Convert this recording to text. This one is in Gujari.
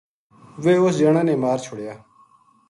ویہ اِ س جنا نے مار چھڑیا